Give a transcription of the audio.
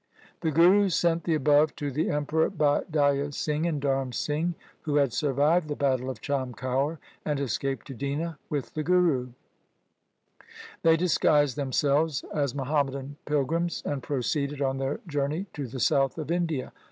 The Guru sent the above to the Emperor by Daya Singh and Dharm Singh, who had survived the battle of Chamkaur and escaped to Dina with the Guru. They disguised themselves as Muham madan pilgrims, and proceeded on their journey to the south of India.